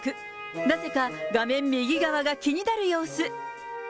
なぜか画面右側が気になる様子。